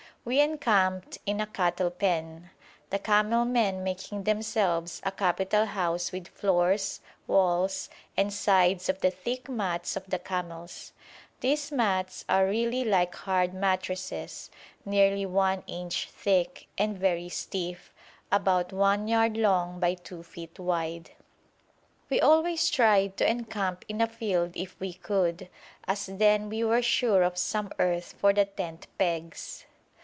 We encamped in a cattle pen, the camel men making themselves a capital house with floors, walls, and sides of the thick mats of the camels. These mats are really like hard mattresses, nearly 1 inch thick, and very stiff, about 1 yard long by 2 feet wide. We always tried to encamp in a field if we could, as then we were sure of some earth for the tent pegs.